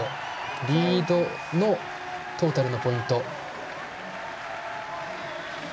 リードのトータルのポイント。